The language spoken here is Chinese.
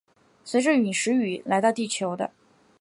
随着殒石雨来到地球的。